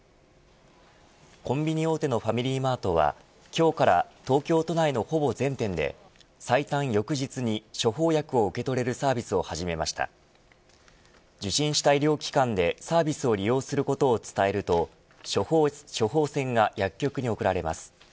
コンビニ大手のファミリーマートは今日から東京都内のほぼ全店で最短翌日に処方薬を受け取れるサービスを始めました受信した医療機関でサービスを利用することを伝えると処方箋が薬局に送られます。